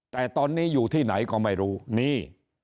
แต่ตอนนี้อยู่ที่ไหนก็ไม่รู้นี่